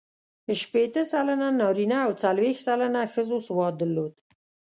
شپېته سلنه نارینه او څلوېښت سلنه ښځو سواد درلود.